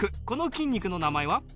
この筋肉の名前は？